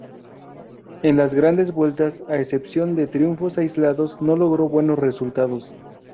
En las Grandes Vueltas, a excepción de triunfos aislados no logró buenos resultados.